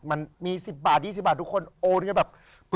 มันมี๑๐บาท๒๐บาททุกคนโอนกันแบบ